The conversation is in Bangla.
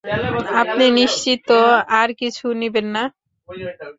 আপনি নিশ্চিত তো আর কিছু নিবেন না?